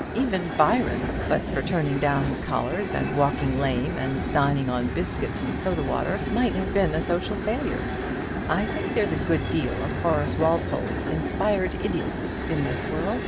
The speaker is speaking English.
Even Byron, but for turning down his collars, and walking lame, and dining on biscuits and soda water, might have been a social failure. I think there's a good deal of Horace Walpole's Inspired Idiocy in this world.